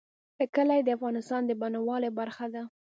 کلي د افغانستان د بڼوالۍ برخه ده.